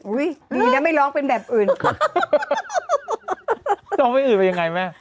ดีนะไม่ร้องเป็นแบบอื่นร้องไปอื่นเป็นยังไงแม่